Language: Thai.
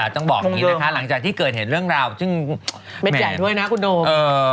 ต้องบอกอย่างนี้นะคะหลังจากที่เกิดเห็นเรื่องราวซึ่งเม็ดใหญ่ด้วยนะคุณโดม